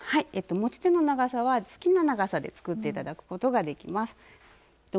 持ち手の長さは好きな長さで作って頂くことができます。